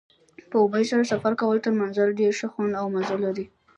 په امید سره سفر کول تر منزل ډېر ښه خوند او مزه لري.